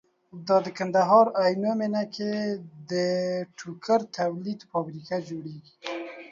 دا د کندهار عينو مينه کې ده ټوکر د تولید فابريکه جوړيږي